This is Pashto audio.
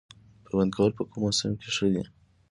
پیوند کول په کوم موسم کې ښه دي؟